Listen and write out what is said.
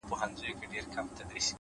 هدف لرونکی ژوند ارزښت لري؛